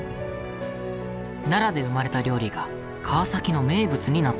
奈良で生まれた料理が川崎の名物になったのです。